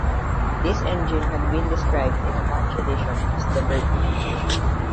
This engine had been described in the March edition as the 'Burt' engine.